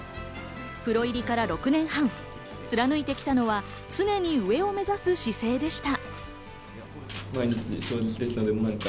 プロ入りから６年半貫いてきたのは、常に上を目指す姿勢でした。